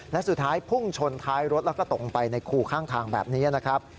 และสุดท้ายพุ่งชนท้ายรถแล้วก็ตกลงไปในคู่ข้างทางแบบนี้นะครับ